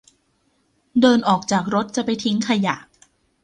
เดินออกจากรถจะไปทิ้งขยะ